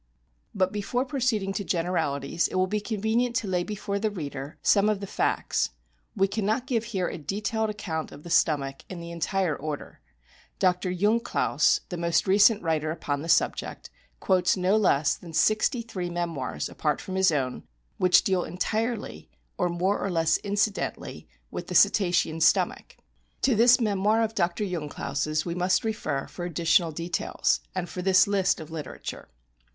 But before proceeding to generalities it will be convenient to lay before the reader some of the facts. We cannot give here a detailed account of the stomach in the entire order. Dr. Jungklaus,f the most recent writer upon the subject, quotes no less than sixty three memoirs, apart from his own, which deal entirely, or more or less incidentally, with the Cetacean stomach. To this memoir of Dr. Jungklaus' we must refer for additional details, and for this list of literature.